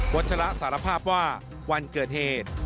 ชระสารภาพว่าวันเกิดเหตุ